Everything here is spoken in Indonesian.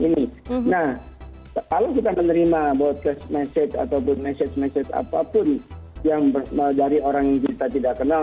nah kalau kita menerima whatsapp sms ataupun sms ms apapun yang dari orang yang kita tidak kenal